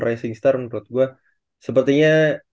rising star menurut gua sepertinya